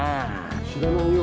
知らないよ。